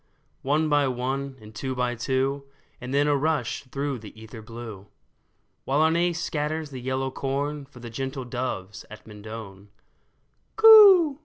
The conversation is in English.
One by one, and two by two, And then a rush through the ether blue ; While Arne scatters the yellow corn For the gentle doves at Mendon. '* Coo